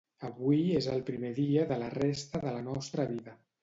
Avui és el primer dia de la resta de la nostra vida.